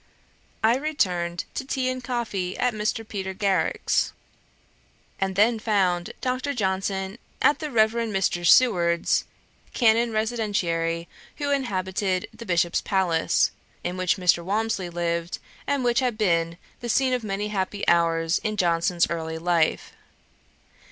I returned to tea and coffee at Mr. Peter Garrick's, and then found Dr. Johnson at the Reverend Mr. Seward's, Canon Residentiary, who inhabited the Bishop's palace, in which Mr. Walmsley lived, and which had been the scene of many happy hours in Johnson's early life.